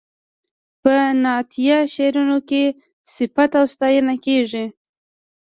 په نعتیه شعرونو کې صفت او ستاینه کیږي.